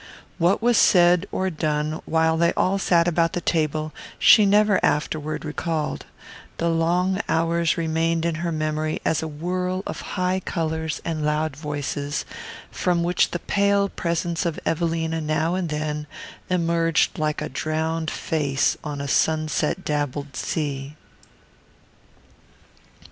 What was said or done while they all sat about the table she never afterward recalled: the long hours remained in her memory as a whirl of high colours and loud voices, from which the pale presence of Evelina now and then emerged like a drowned face on a sunset dabbled sea.